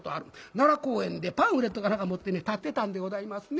奈良公園でパンフレットか何か持ってね立ってたんでございますね。